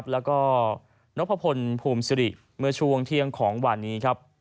และนพพลภูมิศรีเมื่อช่วงเที่ยงของวันนี้